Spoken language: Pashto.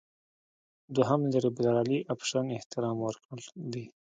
دوهم لېبرالي اپشن احترام ورکړل دي.